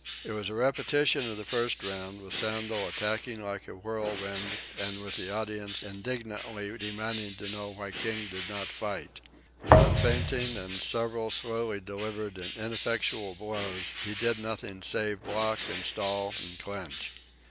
It was a repetition of the first round, with Sandel attacking like a whirlwind and with the audience indignantly demanding why King did not fight. Beyond feinting and several slowly delivered and ineffectual blows he did nothing save block and stall and clinch.